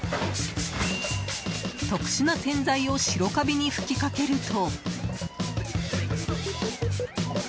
特殊な洗剤を白カビに吹きかけると。